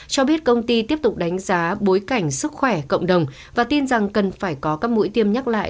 cho biết công ty tiếp tục đánh giá bối cảnh sức khỏe cộng đồng và tin rằng cần phải có các mũi tiêm nhắc lại